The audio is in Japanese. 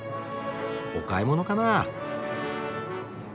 お買い物かな？